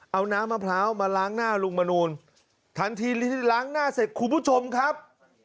เอาน้ำมะพร้าวมาล้างหน้าลุงมนูลทันทีที่ล้างหน้าเสร็จคุณผู้ชมครับ